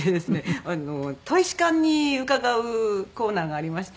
大使館に伺うコーナーがありまして。